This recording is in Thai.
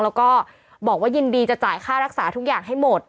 แล้วก็บอกว่ายินดีจะจ่ายค่ารักษาทุกอย่างให้หมด